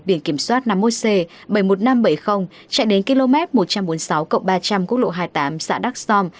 biển kiểm soát năm mươi một c bảy mươi một nghìn năm trăm bảy mươi chạy đến km một trăm bốn mươi sáu ba trăm linh quốc lộ hai mươi tám xã đắc som